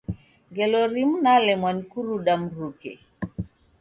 Ngelo rimu nalemwa ni kuruda mruke.